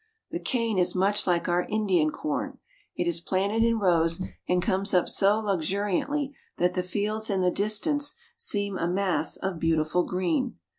The cane is much like our Indian corn. It is planted in rows, and comes up so luxuriantly that the fields in the distance seem a mass of beautiful green.